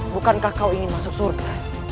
bukankah kau ingin masuk surga